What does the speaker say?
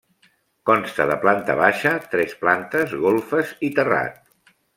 Consta de planta baixa, tres plantes, golfes i terrat.